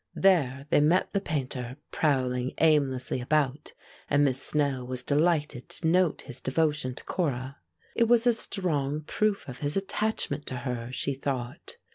There they met the Painter prowling aimlessly about, and Miss Snell was delighted to note his devotion to Cora. It was a strong proof of his attachment to her, she thought.